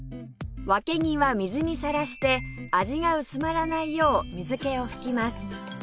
わけぎは水にさらして味が薄まらないよう水気を拭きます